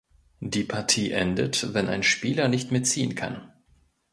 Die Partie endet, wenn ein Spieler nicht mehr ziehen kann.